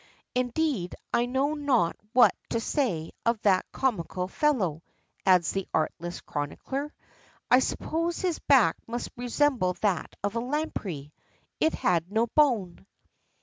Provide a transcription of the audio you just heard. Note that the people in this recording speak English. Indeed I know not what to say of that comical fellow," adds the artless chronicler; "I suppose his back must resemble that of a lamprey it had no bone."